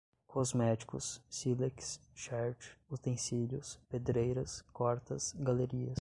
cosméticos, sílex, cherte, utensílios, pedreiras, cortas, galerias